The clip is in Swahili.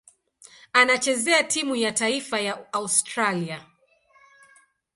Anachezea timu ya taifa ya Australia.